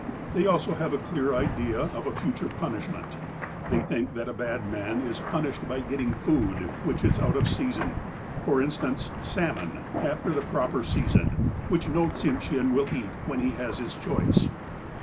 They also have a clear idea of a future punishment. They think that a bad man is punished by getting food which is out of season — for instance, salmon, after the proj^er season, which no Tsimshean will eat when he has his choice.